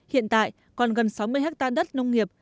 hiện tại còn gần sáu mươi hectare đất nông nghiệp